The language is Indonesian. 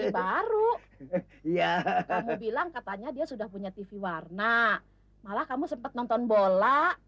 baru ya kamu bilang katanya dia sudah punya tv warna malah kamu sempat nonton bola